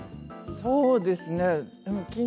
そうですね。